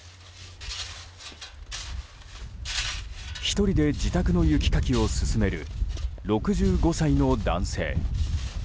１人で自宅の雪かきを進める６５歳の男性。